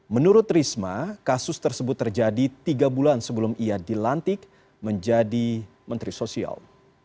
menurut risma kasus tersebut terjadi tiga bulan sebelum ia dilantik menjadi menteri sosial